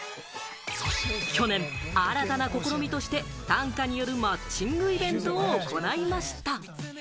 去年、新たな試みとして短歌によるマッチングイベントを行いました。